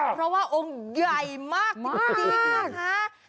เพราะว่าองค์ใหญ่มากจริงนะคะ